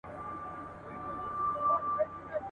شوم نهر وه په خپل ځان پوري حیران وه ..